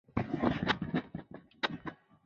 鲁迅曾批评这种做法。